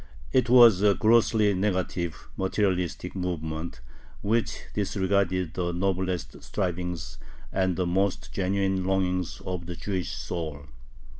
It was a grossly negative, materialistic movement, which disregarded the noblest strivings and the most genuine longings of the Jewish soul.